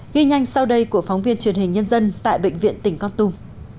ghi nhanh sau đây của phóng viên truyền hình nhân dân tại bệnh viện tỉnh con tum